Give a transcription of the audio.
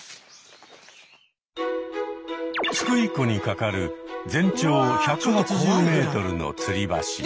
津久井湖にかかる全長１８０メートルのつり橋。